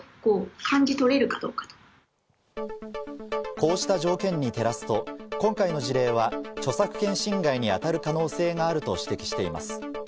こうした条件に照らすと、今回の事例は著作権侵害に当たる可能性があると指摘しています。